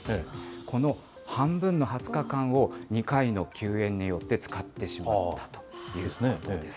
この半分の２０日間を、２回の休園によって使ってしまったということです。